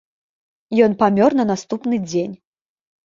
Ён памёр на наступны дзень.